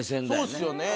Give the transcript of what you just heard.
そうですよね。